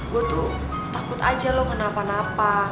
gue tuh takut aja lo kena apa apa